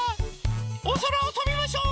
おそらをとびましょう！